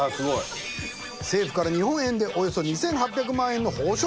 政府から日本円でおよそ２８００万円の報奨金！